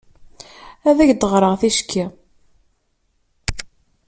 Ad ak-d-ɣreɣ ticki?